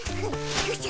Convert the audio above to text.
よいしょ！